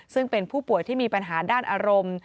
ซึ่งเป็นผู้ป่วยที่มีปัญหาด้านอารมณ์